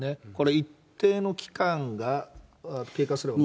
一定の期間が経過すればまた？